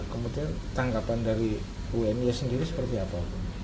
kemudian tanggapan dari unj sendiri seperti apa